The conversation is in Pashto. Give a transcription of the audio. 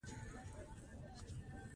د افغانستان طبیعت له کلتور څخه جوړ شوی دی.